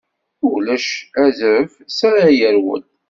Ulac azref s ara yerwel.